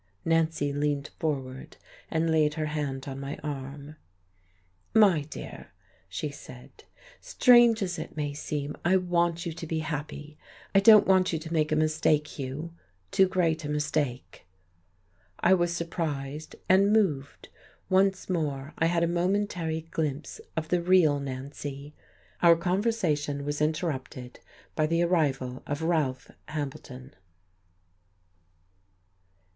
Nancy leaned forward and laid her hand on my arm. "My dear," she said, "strange as it may seem, I want you to be happy. I don't want you to make a mistake, Hugh, too great a mistake." I was surprised and moved. Once more I had a momentary glimpse of the real Nancy.... Our conversation was interrupted by the arrival of Ralph Hambleton....